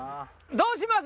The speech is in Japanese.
どうします？